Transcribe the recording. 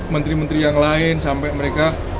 menteri menteri yang lain sampai mereka